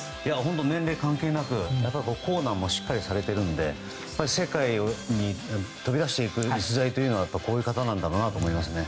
年齢関係なく硬軟もしっかりされているので世界に飛び出していく逸材というのはこういう方なんだろうなと思いますね。